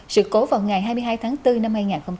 sự cố vào ngày hai mươi hai tháng bốn năm hai nghìn một mươi sáu